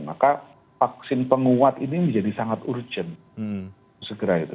maka vaksin penguat ini menjadi sangat urgent